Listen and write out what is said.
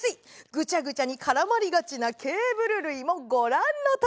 グチャグチャにからまりがちなケーブル類もごらんのとおり！